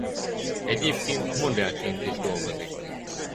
Egyébként modellként is dolgozik.